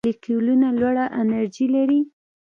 چټک مالیکولونه لوړه انرژي لري.